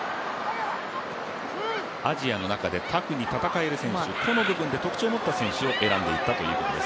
アジアの中でタフに戦える選手、個の部分で特徴を持った選手を選んだということです。